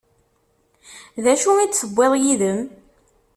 D acu i d-tewwiḍ yid-m?